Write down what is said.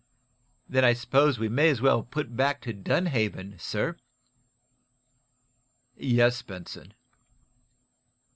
"Then I suppose we may as well put back to Dunhaven, sir?" "Yes, Benson."